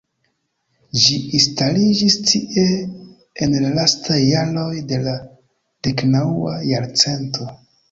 Ĝi instaliĝis tie en la lastaj jaroj de la deknaŭa jarcento.